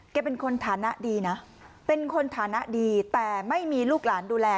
เป็นคนฐานะดีนะเป็นคนฐานะดีแต่ไม่มีลูกหลานดูแล